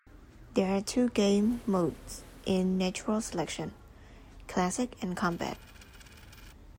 There are two game modes in "Natural Selection": Classic and Combat.